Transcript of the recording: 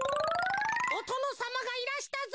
「おとのさまがいらしたぞ」。